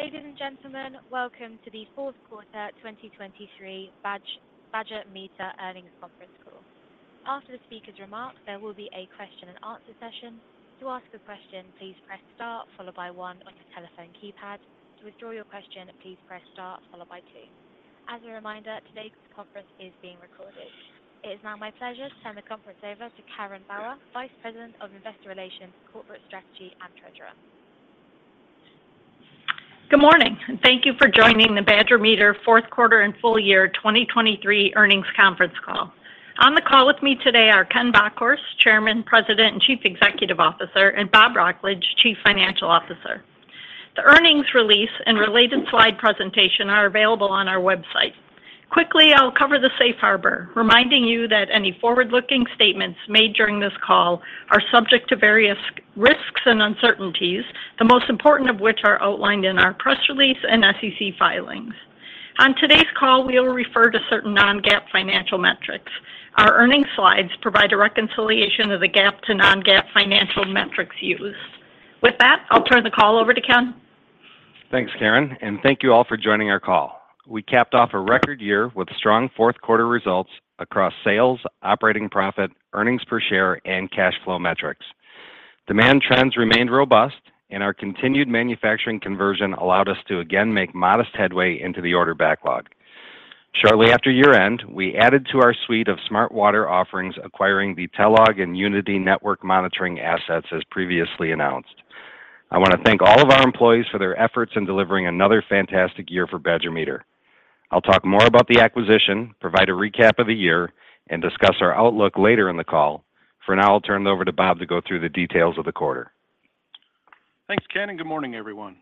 Ladies and gentlemen, welcome to the fourth quarter 2023 Badger Meter Earnings Conference Call. After the speaker's remarks, there will be a question and answer session. To ask a question, please press Star followed by one on your telephone keypad. To withdraw your question, please press Star followed by two. As a reminder, today's conference is being recorded. It is now my pleasure to turn the conference over to Karen Bauer, Vice President of Investor Relations, Corporate Strategy and Treasurer. Good morning, and thank you for joining the Badger Meter fourth quarter and full year 2023 earnings conference call. On the call with me today are Ken Bockhorst, Chairman, President, and Chief Executive Officer, and Bob Wrocklage, Chief Financial Officer. The earnings release and related slide presentation are available on our website. Quickly, I'll cover the safe harbor, reminding you that any forward-looking statements made during this call are subject to various risks and uncertainties, the most important of which are outlined in our press release and SEC filings. On today's call, we will refer to certain non-GAAP financial metrics. Our earnings slides provide a reconciliation of the GAAP to non-GAAP financial metrics used. With that, I'll turn the call over to Ken. Thanks, Karen, and thank you all for joining our call. We capped off a record year with strong fourth quarter results across sales, operating profit, earnings per share, and cash flow metrics. Demand trends remained robust, and our continued manufacturing conversion allowed us to again make modest headway into the order backlog. Shortly after year-end, we added to our suite of smart water offerings, acquiring the Telog and Unity network monitoring assets, as previously announced. I want to thank all of our employees for their efforts in delivering another fantastic year for Badger Meter. I'll talk more about the acquisition, provide a recap of the year, and discuss our outlook later in the call. For now, I'll turn it over to Bob to go through the details of the quarter. Thanks, Ken, and good morning, everyone.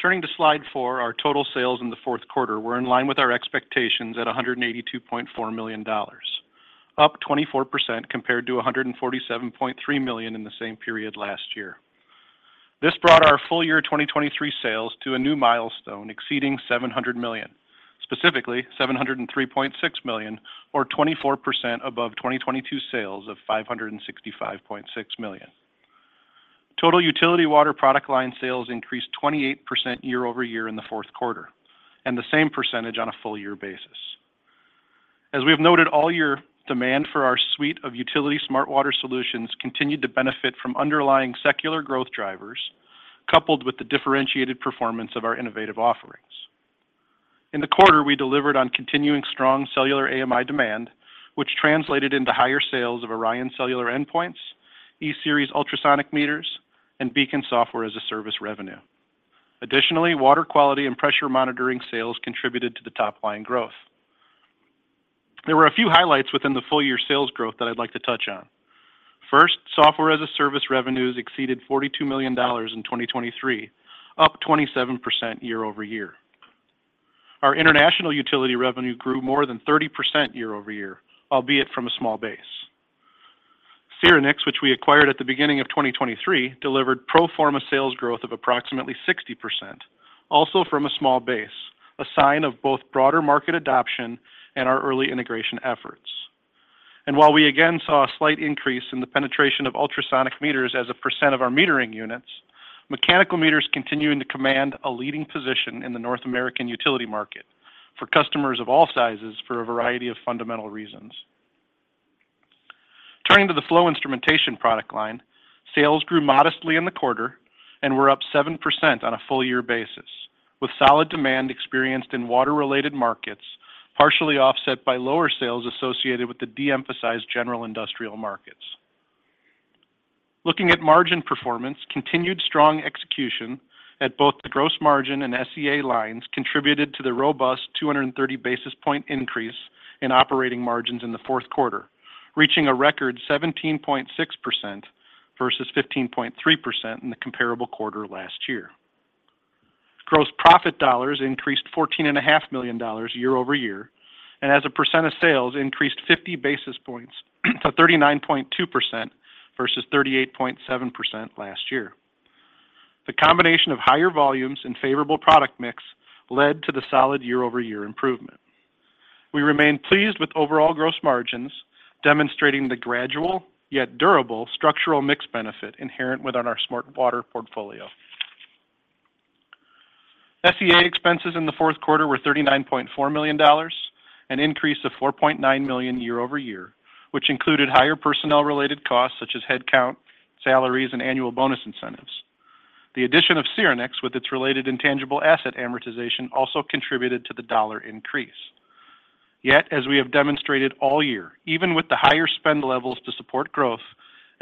Turning to slide four, our total sales in the fourth quarter were in line with our expectations at $182.4 million, up 24% compared to $147.3 million in the same period last year. This brought our full year 2023 sales to a new milestone, exceeding $700 million, specifically $703.6 million, or 24% above 2022 sales of $565.6 million. Total utility water product line sales increased 28% year-over-year in the fourth quarter, and the same percentage on a full year basis. As we have noted all year, demand for our suite of utility smart water solutions continued to benefit from underlying secular growth drivers, coupled with the differentiated performance of our innovative offerings. In the quarter, we delivered on continuing strong cellular AMI demand, which translated into higher sales of ORION Cellular endpoints, E-Series Ultrasonic Meters, and BEACON software as a service revenue. Additionally, water quality and pressure monitoring sales contributed to the top-line growth. There were a few highlights within the full-year sales growth that I'd like to touch on. First, software as a service revenues exceeded $42 million in 2023, up 27% year-over-year. Our international utility revenue grew more than 30% year-over-year, albeit from a small base. Syrinix, which we acquired at the beginning of 2023, delivered pro forma sales growth of approximately 60%, also from a small base, a sign of both broader market adoption and our early integration efforts. While we again saw a slight increase in the penetration of ultrasonic meters as a percent of our metering units, mechanical meters continuing to command a leading position in the North American utility market for customers of all sizes for a variety of fundamental reasons. Turning to the flow instrumentation product line, sales grew modestly in the quarter and were up 7% on a full year basis, with solid demand experienced in water-related markets, partially offset by lower sales associated with the de-emphasized general industrial markets. Looking at margin performance, continued strong execution at both the gross margin and SCA lines contributed to the robust 230 basis point increase in operating margins in the fourth quarter, reaching a record 17.6% versus 15.3% in the comparable quarter last year. Gross profit dollars increased $14.5 million year-over-year, and as a percent of sales, increased 50 basis points to 39.2% versus 38.7% last year. The combination of higher volumes and favorable product mix led to the solid year-over-year improvement. We remain pleased with overall gross margins, demonstrating the gradual, yet durable structural mix benefit inherent within our Smart Water portfolio. SG&A expenses in the fourth quarter were $39.4 million, an increase of $4.9 million year-over-year, which included higher personnel-related costs such as headcount, salaries, and annual bonus incentives. The addition of Syrinix, with its related intangible asset amortization, also contributed to the dollar increase. Yet, as we have demonstrated all year, even with the higher spend levels to support growth,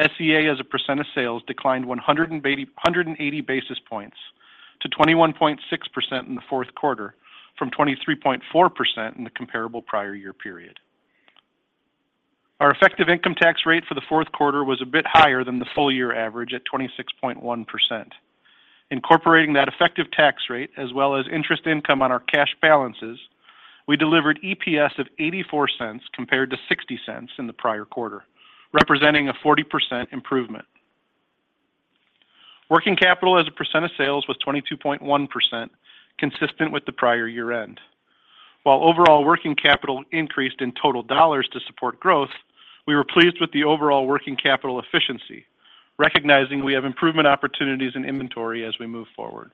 SG&A, as a percent of sales, declined 180 basis points to 21.6% in the fourth quarter from 23.4% in the comparable prior year period. Our effective income tax rate for the fourth quarter was a bit higher than the full year average at 26.1%. Incorporating that effective tax rate, as well as interest income on our cash balances, we delivered EPS of $0.84 compared to $0.60 in the prior quarter, representing a 40% improvement. Working capital as a percent of sales was 22.1%, consistent with the prior year end. While overall working capital increased in total dollars to support growth, we were pleased with the overall working capital efficiency, recognizing we have improvement opportunities in inventory as we move forward.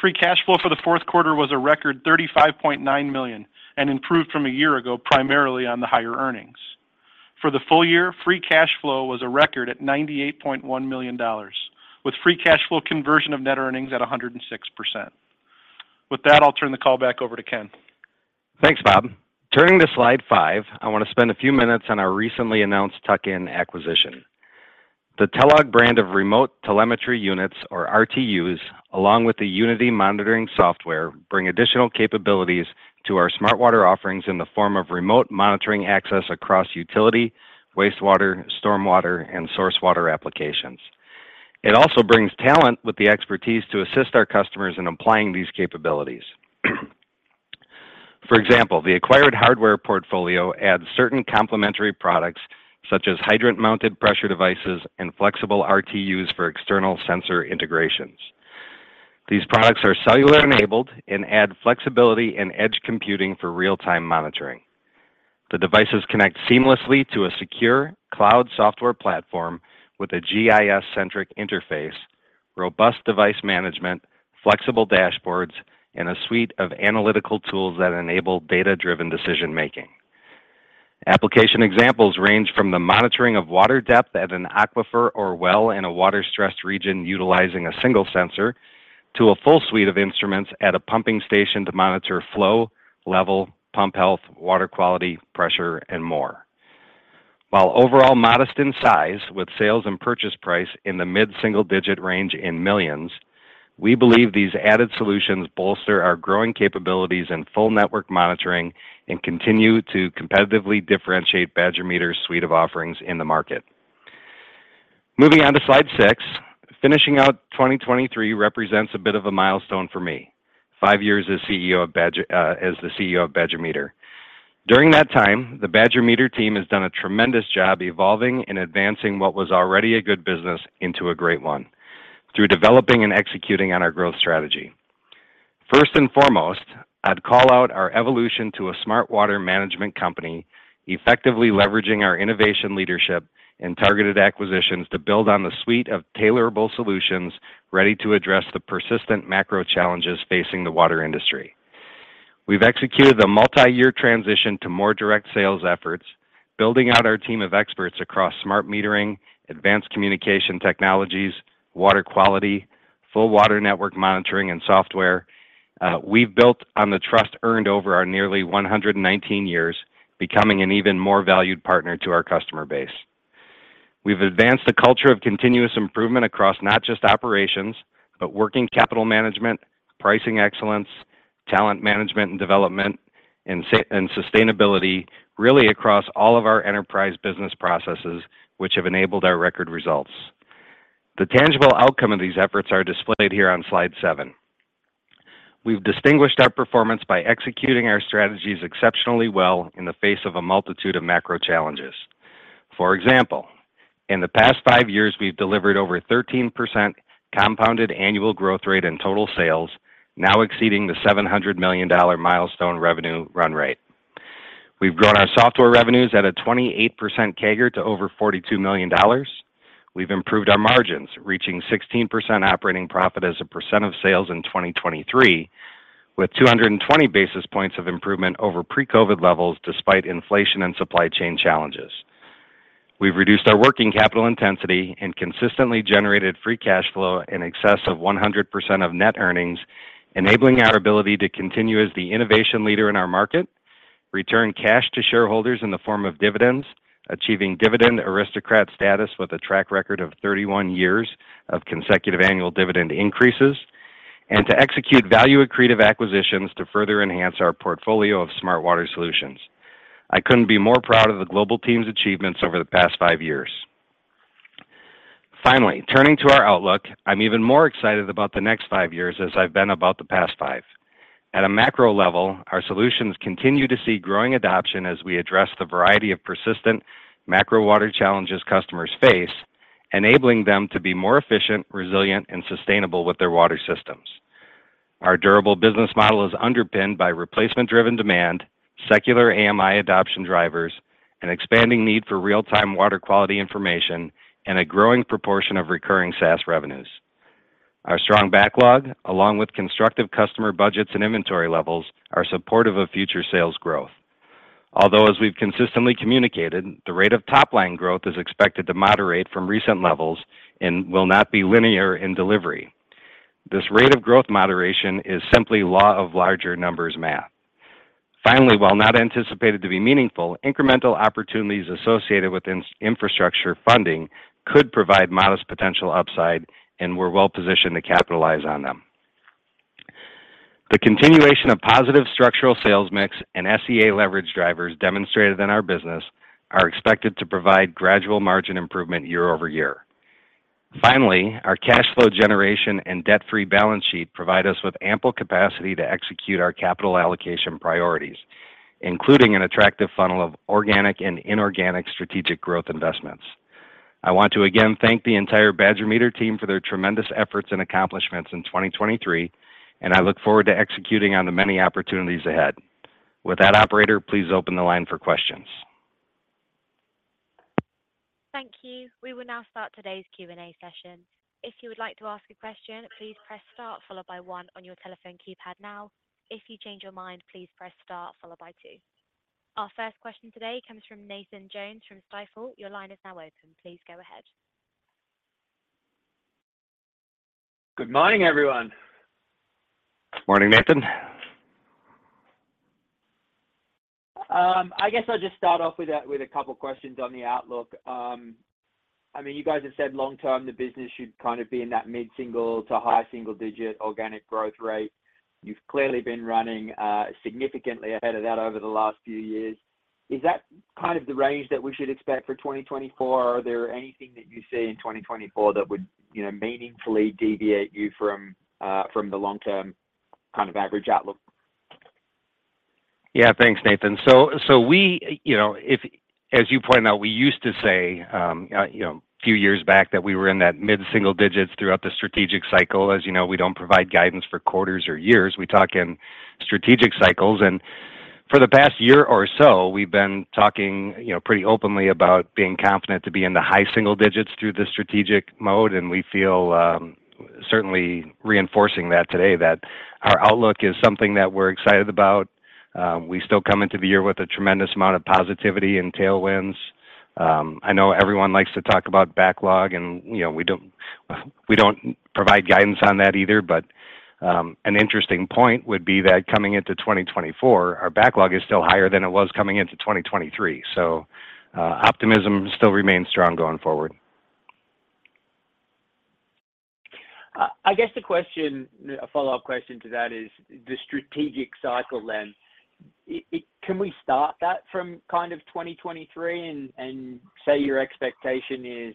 Free cash flow for the fourth quarter was a record $35.9 million, and improved from a year ago, primarily on the higher earnings. For the full year, free cash flow was a record at $98.1 million, with free cash flow conversion of net earnings at 106%. With that, I'll turn the call back over to Ken. Thanks, Bob. Turning to slide five, I want to spend a few minutes on our recently announced tuck-in acquisition. The Telog brand of remote telemetry units, or RTUs, along with the Unity monitoring software, bring additional capabilities to our Smart Water offerings in the form of remote monitoring access across utility, wastewater, stormwater, and source water applications. It also brings talent with the expertise to assist our customers in applying these capabilities. For example, the acquired hardware portfolio adds certain complementary products, such as hydrant-mounted pressure devices and flexible RTUs for external sensor integrations. These products are cellular-enabled and add flexibility and edge computing for real-time monitoring. The devices connect seamlessly to a secure cloud software platform with a GIS-centric interface, robust device management, flexible dashboards, and a suite of analytical tools that enable data-driven decision-making. Application examples range from the monitoring of water depth at an aquifer or well in a water-stressed region utilizing a single sensor, to a full suite of instruments at a pumping station to monitor flow, level, pump health, water quality, pressure, and more. While overall modest in size, with sales and purchase price in the mid-single-digit range in $ millions, we believe these added solutions bolster our growing capabilities in full network monitoring and continue to competitively differentiate Badger Meter's suite of offerings in the market. Moving on to slide six, finishing out 2023 represents a bit of a milestone for me, five years as CEO of Badger, as the CEO of Badger Meter. During that time, the Badger Meter team has done a tremendous job evolving and advancing what was already a good business into a great one, through developing and executing on our growth strategy. First and foremost, I'd call out our evolution to a smart water management company, effectively leveraging our innovation, leadership, and targeted acquisitions to build on the suite of tailorable solutions ready to address the persistent macro challenges facing the water industry. We've executed a multi-year transition to more direct sales efforts, building out our team of experts across smart metering, advanced communication technologies, water quality, full water network monitoring and software. We've built on the trust earned over our nearly 119 years, becoming an even more valued partner to our customer base. We've advanced the culture of continuous improvement across not just operations, but working capital management, pricing excellence, talent management and development, and sustainability, really across all of our enterprise business processes, which have enabled our record results. The tangible outcome of these efforts are displayed here on slide seven. We've distinguished our performance by executing our strategies exceptionally well in the face of a multitude of macro challenges. For example, in the past five years, we've delivered over 13% compounded annual growth rate in total sales, now exceeding the $700 million milestone revenue run rate. We've grown our software revenues at a 28% CAGR to over $42 million. We've improved our margins, reaching 16% operating profit as a percent of sales in 2023, with 220 basis points of improvement over pre-COVID levels, despite inflation and supply chain challenges. We've reduced our working capital intensity and consistently generated free cash flow in excess of 100% of net earnings, enabling our ability to continue as the innovation leader in our market, return cash to shareholders in the form of dividends, achieving Dividend Aristocrat status with a track record of 31 years of consecutive annual dividend increases, and to execute value-accretive acquisitions to further enhance our portfolio of smart water solutions. I couldn't be more proud of the global team's achievements over the past 5 years. Finally, turning to our outlook, I'm even more excited about the next five years as I've been about the past 5. At a macro level, our solutions continue to see growing adoption as we address the variety of persistent macro water challenges customers face, enabling them to be more efficient, resilient, and sustainable with their water systems. Our durable business model is underpinned by replacement-driven demand, secular AMI adoption drivers, an expanding need for real-time water quality information, and a growing proportion of recurring SaaS revenues. Our strong backlog, along with constructive customer budgets and inventory levels, are supportive of future sales growth. Although, as we've consistently communicated, the rate of top-line growth is expected to moderate from recent levels and will not be linear in delivery. This rate of growth moderation is simply law of larger numbers math. Finally, while not anticipated to be meaningful, incremental opportunities associated with infrastructure funding could provide modest potential upside, and we're well positioned to capitalize on them. The continuation of positive structural sales mix and SG&A leverage drivers demonstrated in our business are expected to provide gradual margin improvement year-over-year. Finally, our cash flow generation and debt-free balance sheet provide us with ample capacity to execute our capital allocation priorities, including an attractive funnel of organic and inorganic strategic growth investments.... I want to again thank the entire Badger Meter team for their tremendous efforts and accomplishments in 2023, and I look forward to executing on the many opportunities ahead. With that, operator, please open the line for questions. Thank you. We will now start today's Q&A session. If you would like to ask a question, please press star followed by one on your telephone keypad now. If you change your mind, please press star followed by two. Our first question today comes from Nathan Jones from Stifel. Your line is now open. Please go ahead. Good morning, everyone. Morning, Nathan. I guess I'll just start off with a couple questions on the outlook. I mean, you guys have said long term, the business should kind of be in that mid-single to high single digit organic growth rate. You've clearly been running significantly ahead of that over the last few years. Is that kind of the range that we should expect for 2024? Or are there anything that you see in 2024 that would, you know, meaningfully deviate you from the long-term kind of average outlook? Yeah, thanks, Nathan. So, so we, you know, if-- as you pointed out, we used to say, you know, a few years back that we were in that mid-single digits throughout the strategic cycle. As you know, we don't provide guidance for quarters or years. We talk in strategic cycles, and for the past year or so, we've been talking, you know, pretty openly about being confident to be in the high single digits through the strategic mode, and we feel, certainly reinforcing that today, that our outlook is something that we're excited about. We still come into the year with a tremendous amount of positivity and tailwinds. I know everyone likes to talk about backlog, and, you know, we don't, we don't provide guidance on that either, but, an interesting point would be that coming into 2024, our backlog is still higher than it was coming into 2023. So, optimism still remains strong going forward. I guess the question, a follow-up question to that is the strategic cycle then. Can we start that from kind of 2023 and say your expectation is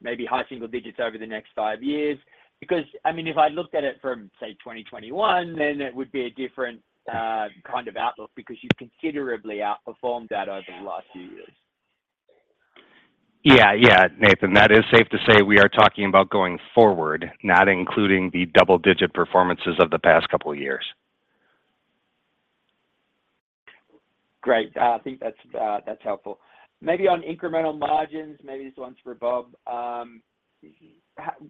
maybe high single digits over the next five years? Because, I mean, if I looked at it from, say, 2021, then it would be a different kind of outlook, because you considerably outperformed that over the last few years. Yeah, yeah, Nathan, that is safe to say we are talking about going forward, not including the double-digit performances of the past couple of years. Great. I think that's helpful. Maybe on incremental margins, maybe this one's for Bob.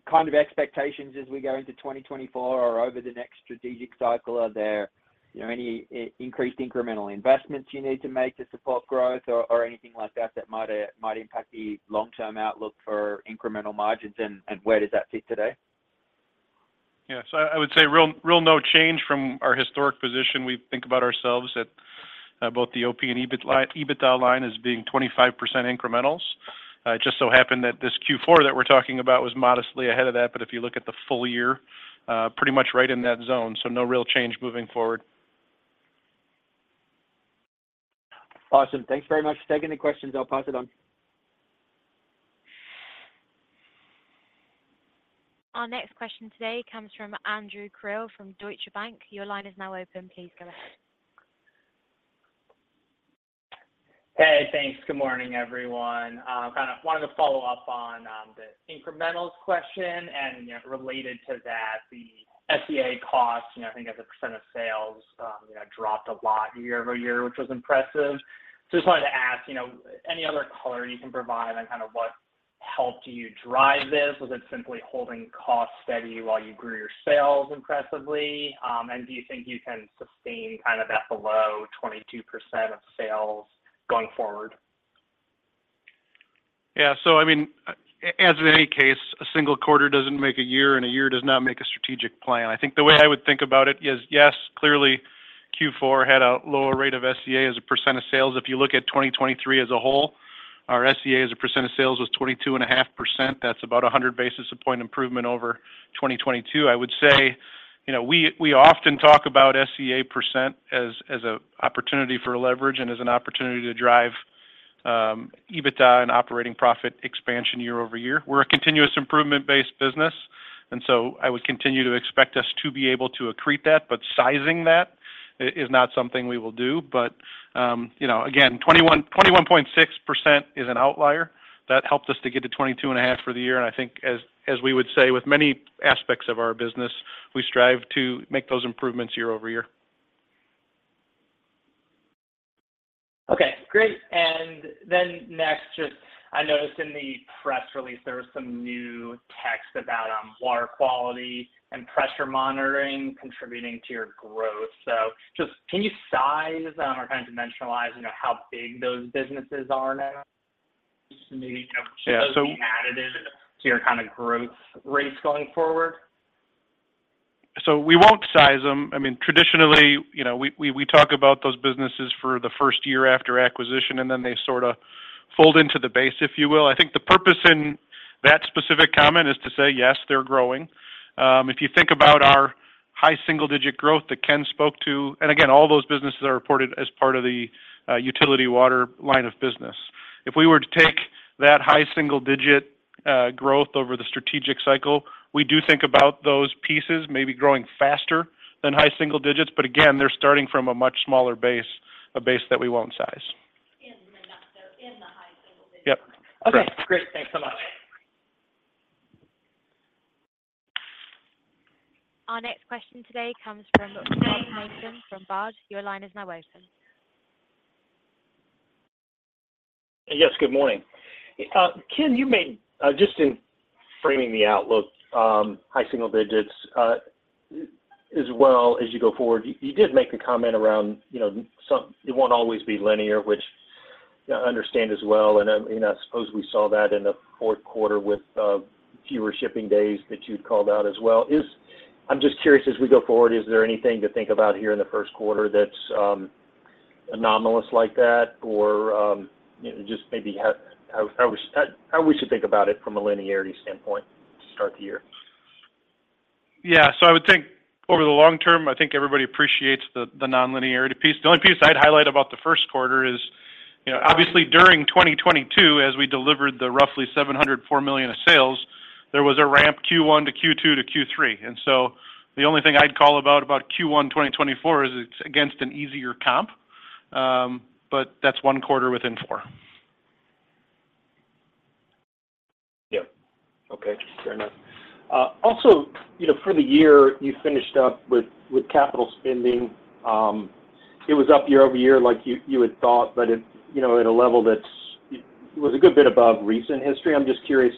Kind of expectations as we go into 2024 or over the next strategic cycle, are there, you know, any increased incremental investments you need to make to support growth or, or anything like that, that might might impact the long-term outlook for incremental margins? And, and where does that fit today? Yeah. So I would say real, real no change from our historic position. We think about ourselves at both the OP and EBIT line, EBITDA line as being 25% incrementals. It just so happened that this Q4 that we're talking about was modestly ahead of that, but if you look at the full year, pretty much right in that zone, so no real change moving forward. Awesome. Thanks very much for taking the questions. I'll pass it on. Our next question today comes from Andrew Krill from Deutsche Bank. Your line is now open. Please go ahead. Hey, thanks. Good morning, everyone. I kind of wanted to follow up on the incrementals question, and, you know, related to that, the SCA cost, you know, I think as a % of sales, you know, dropped a lot year-over-year, which was impressive. Just wanted to ask, you know, any other color you can provide on kind of what helped you drive this? Was it simply holding costs steady while you grew your sales impressively? And do you think you can sustain kind of that below 22% of sales going forward? Yeah, so I mean, as in any case, a single quarter doesn't make a year, and a year does not make a strategic plan. I think the way I would think about it is, yes, clearly, Q4 had a lower rate of SG&A as a percent of sales. If you look at 2023 as a whole, our SG&A as a percent of sales was 22.5%. That's about a 100 basis point improvement over 2022. I would say, you know, we, we often talk about SG&A percent as, as an opportunity for leverage and as an opportunity to drive, EBITDA and operating profit expansion year-over-year. We're a continuous improvement-based business, and so I would continue to expect us to be able to accrete that, but sizing that is not something we will do. But, you know, again, 21.6% is an outlier. That helped us to get to 22.5% for the year, and I think as we would say, with many aspects of our business, we strive to make those improvements year-over-year. Okay, great. And then next, just I noticed in the press release, there was some new text about water quality and pressure monitoring contributing to your growth. So just can you size or kind of dimensionalize, you know, how big those businesses are now? Just maybe- Yeah, so- Be additive to your kind of growth rates going forward. So we won't size them. I mean, traditionally, you know, we talk about those businesses for the first year after acquisition, and then they sorta fold into the base, if you will. I think the purpose in that specific comment is to say, yes, they're growing. If you think about our high single digit growth that Ken spoke to, and again, all those businesses are reported as part of the utility water line of business. If we were to take that high single digit growth over the strategic cycle, we do think about those pieces maybe growing faster than high single digits, but again, they're starting from a much smaller base.... a base that we won't size. So in the high single digits? Yep, correct. Okay, great. Thanks so much. Our next question today comes from Rob Mason from Baird. Your line is now open. Yes, good morning. Ken, you made just in framing the outlook high single digits as well as you go forward, you did make a comment around, you know, some - it won't always be linear, which I understand as well, and, I mean, I suppose we saw that in the fourth quarter with fewer shipping days that you'd called out as well. I'm just curious, as we go forward, is there anything to think about here in the first quarter that's anomalous like that? Or, you know, just maybe how we should think about it from a linearity standpoint to start the year? Yeah. So I would think over the long term, I think everybody appreciates the nonlinearity piece. The only piece I'd highlight about the first quarter is, you know, obviously during 2022, as we delivered the roughly $704 million of sales, there was a ramp Q1 to Q2 to Q3. And so the only thing I'd call about Q1 2024 is it's against an easier comp, but that's one quarter within four. Yep. Okay, fair enough. Also, you know, for the year, you finished up with capital spending. It was up year-over-year like you had thought, but it, you know, at a level that's it was a good bit above recent history. I'm just curious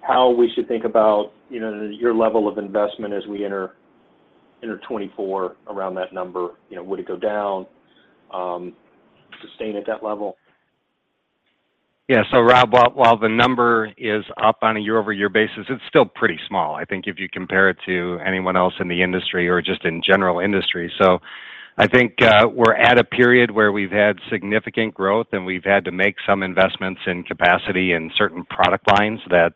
how we should think about, you know, your level of investment as we enter '2024 around that number. You know, would it go down, sustain at that level? Yeah. So, Rob, while the number is up on a year-over-year basis, it's still pretty small. I think if you compare it to anyone else in the industry or just in general industry. So I think, we're at a period where we've had significant growth, and we've had to make some investments in capacity and certain product lines that,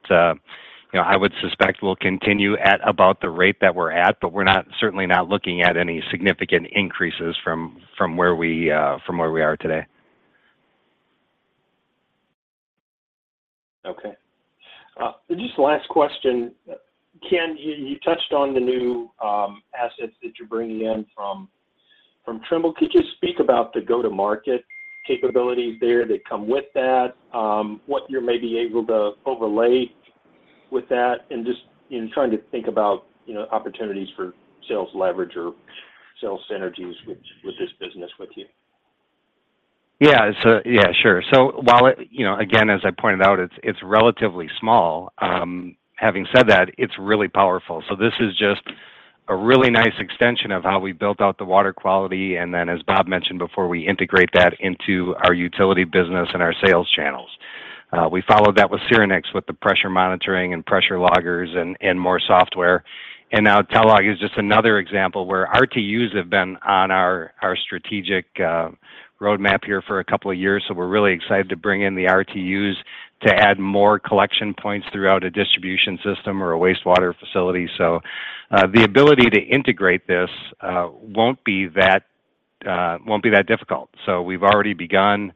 you know, I would suspect will continue at about the rate that we're at, but we're not certainly not looking at any significant increases from where we are today. Okay. Just last question. Ken, you, you touched on the new assets that you're bringing in from Trimble. Could you speak about the go-to-market capabilities there that come with that, what you're maybe able to overlay with that, and just in trying to think about, you know, opportunities for sales leverage or sales synergies with this business with you? Yeah, sure. So while it, you know, again, as I pointed out, it's relatively small. Having said that, it's really powerful. So this is just a really nice extension of how we built out the water quality, and then, as Bob mentioned before, we integrate that into our utility business and our sales channels. We followed that with Syrinix, with the pressure monitoring and pressure loggers and more software. And now Telog is just another example where RTUs have been on our strategic roadmap here for a couple of years, so we're really excited to bring in the RTUs to add more collection points throughout a distribution system or a wastewater facility. So the ability to integrate this won't be that difficult. So we've already begun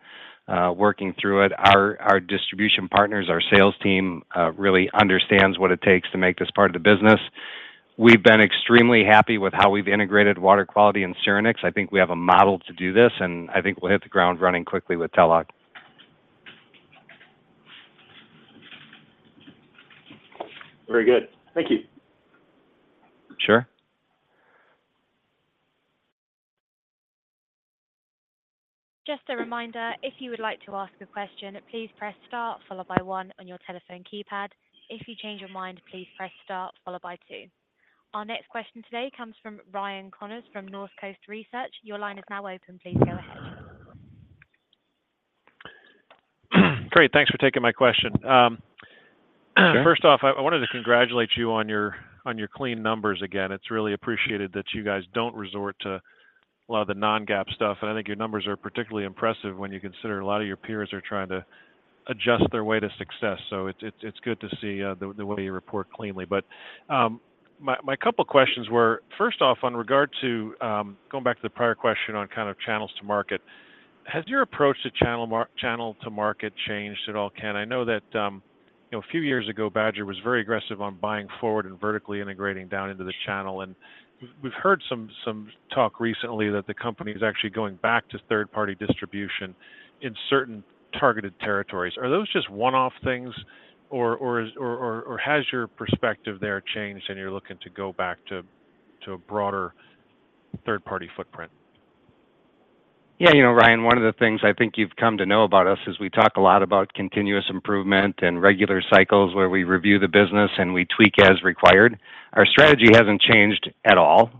working through it. Our distribution partners, our sales team, really understands what it takes to make this part of the business. We've been extremely happy with how we've integrated water quality in Syrinix. I think we have a model to do this, and I think we'll hit the ground running quickly with Telog. Very good. Thank you. Sure. Just a reminder, if you would like to ask a question, please press star followed by one on your telephone keypad. If you change your mind, please press star followed by two. Our next question today comes from Ryan Connors from North Coast Research. Your line is now open. Please go ahead. Great, thanks for taking my question. First off, I wanted to congratulate you on your clean numbers again. It's really appreciated that you guys don't resort to a lot of the non-GAAP stuff, and I think your numbers are particularly impressive when you consider a lot of your peers are trying to adjust their way to success. So it's good to see the way you report cleanly. But my couple questions were, first off, with regard to going back to the prior question on kind of channels to market, has your approach to channel to market changed at all, Ken? I know that, you know, a few years ago, Badger was very aggressive on buying forward and vertically integrating down into the channel, and we've heard some talk recently that the company is actually going back to third-party distribution in certain targeted territories. Are those just one-off things, or has your perspective there changed and you're looking to go back to a broader third-party footprint? Yeah, you know, Ryan, one of the things I think you've come to know about us is we talk a lot about continuous improvement and regular cycles, where we review the business and we tweak as required. Our strategy hasn't changed at all.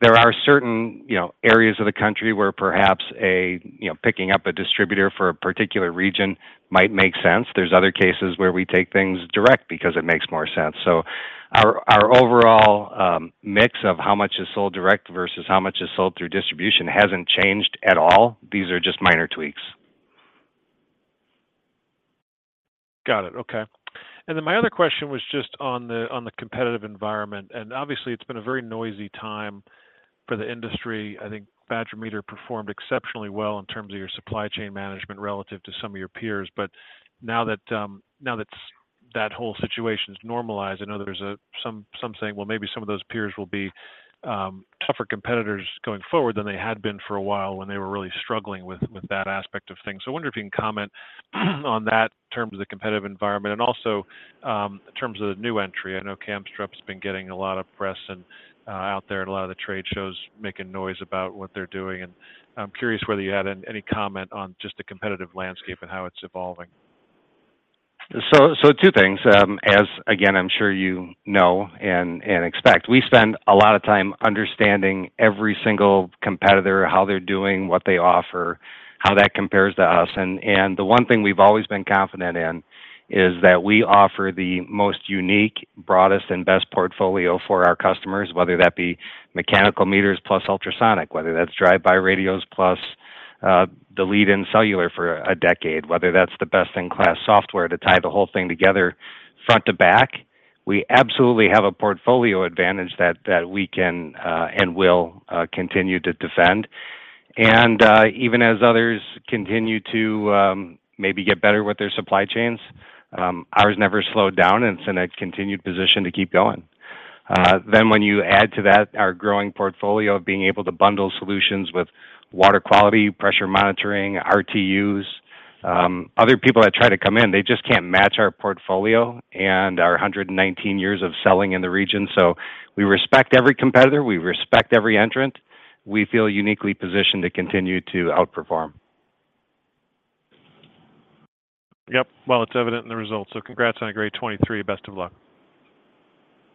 There are certain, you know, areas of the country where perhaps a, you know, picking up a distributor for a particular region might make sense. There's other cases where we take things direct because it makes more sense. So our overall mix of how much is sold direct versus how much is sold through distribution hasn't changed at all. These are just minor tweaks. Got it. Okay. And then my other question was just on the competitive environment, and obviously, it's been a very noisy time for the industry. I think Badger Meter performed exceptionally well in terms of your supply chain management relative to some of your peers. But now that that's normalized. That whole situation's normalized. I know there's some saying, well, maybe some of those peers will be tougher competitors going forward than they had been for a while when they were really struggling with that aspect of things. So I wonder if you can comment on that in terms of the competitive environment and also in terms of the new entry. I know Kamstrup's been getting a lot of press and, out there in a lot of the trade shows, making noise about what they're doing, and I'm curious whether you had any comment on just the competitive landscape and how it's evolving. So, two things. As again, I'm sure you know and expect, we spend a lot of time understanding every single competitor, how they're doing, what they offer, how that compares to us. And the one thing we've always been confident in is that we offer the most unique, broadest and best portfolio for our customers, whether that be mechanical meters plus ultrasonic, whether that's drive-by radios plus the lead in cellular for a decade, whether that's the best-in-class software to tie the whole thing together front to back. We absolutely have a portfolio advantage that we can and will continue to defend. And even as others continue to maybe get better with their supply chains, ours never slowed down, and it's in a continued position to keep going. Then, when you add to that our growing portfolio of being able to bundle solutions with water quality, pressure monitoring, RTUs, other people that try to come in, they just can't match our portfolio and our 119 years of selling in the region. So we respect every competitor, we respect every entrant. We feel uniquely positioned to continue to outperform. Yep. Well, it's evident in the results, so congrats on a great 2023. Best of luck.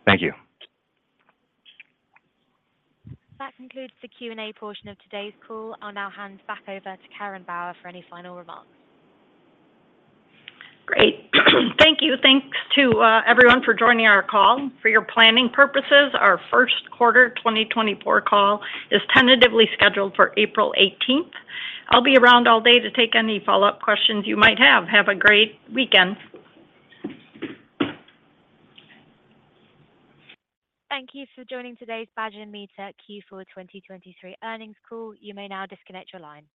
Thank you. That concludes the Q&A portion of today's call. I'll now hand back over to Karen Bauer for any final remarks. Great. Thank you. Thanks to everyone for joining our call. For your planning purposes, our first quarter 2024 call is tentatively scheduled for April 18th. I'll be around all day to take any follow-up questions you might have. Have a great weekend. Thank you for joining today's Badger Meter Q4 2023 earnings call. You may now disconnect your line.